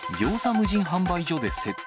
無人販売所で窃盗。